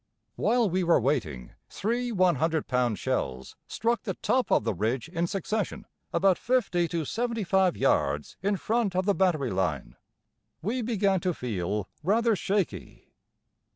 While we were waiting three 100 pound shells struck the top of the ridge in succession about 50 to 75 yards in front of the battery line. We began to feel rather shaky.